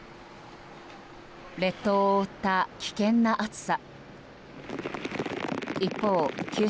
列島を覆った危険な暑さ。